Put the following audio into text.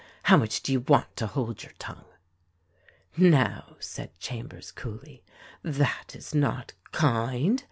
How much do you want to hold your tongue?" "Now," said Chambers coolly, "that is not kind